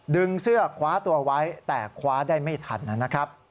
ดึงเสื้อคว้าตัวไว้แต่คว้าได้ไม่ทันนะครับ